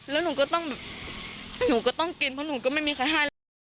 แล้วหนูก็ต้องกินเพราะหนูก็ไม่มีใครให้